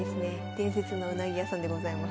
伝説のうなぎ屋さんでございます。